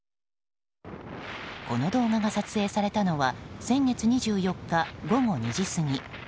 この動画が撮影されたのは先月２４日、午後２時過ぎ。